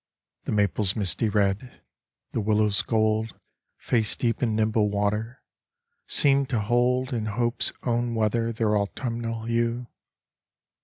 The maple's misty red, the willow's gold Face deep in nimble water, seem to hold In hope's own weather their autumnal hue.